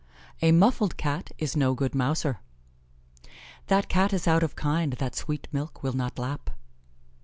"A muffled Cat is no good mouser." "That Cat is out of kind that sweet milk will not lap."